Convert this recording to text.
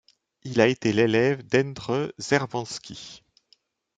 Il a été l'élève d'Endre Szervánszky.